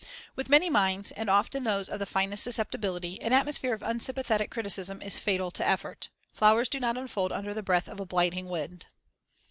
With many minds, and often those of the finest suscepti bility, an atmosphere of unsympathetic criticism is fatal to effort. Flowers do not unfold under the breath of a blighting wind.